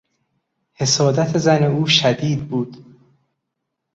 حسادت زن او شدید بود.